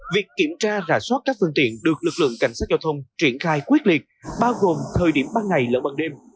việc kiểm tra rà soát các phương tiện được lực lượng cảnh sát giao thông triển khai quyết liệt bao gồm thời điểm ban ngày lẫn ban đêm